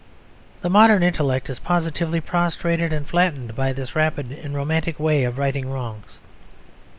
The modern intellect is positively prostrated and flattened by this rapid and romantic way of righting wrongs.